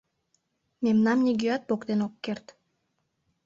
Мемнам нигӧат поктен ок керт.